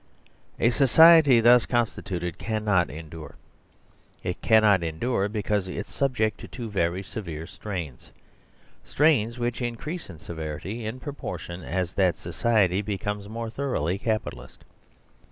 A society thus constituted cannot endure. It can not endure because it is subject to two very severe strains: strains which increase in severity in propor tion as that society becomes more thoroughly Capi talist.